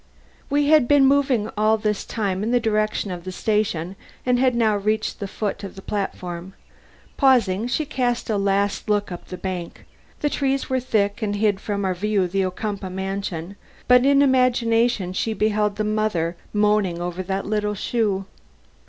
We had been moving all this time in the direction of the station and had now reached the foot of the platform. Pausing, she cast a last look up the bank. The trees were thick and hid from our view the Ocumpaugh mansion, but in imagination she beheld the mother moaning over that little shoe.